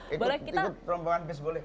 ikut perlombangan bis boleh